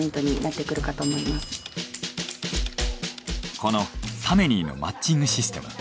このタメニーのマッチングシステム。